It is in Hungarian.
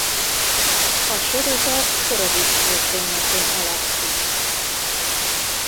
A sorozat Horowitz történetén alapszik.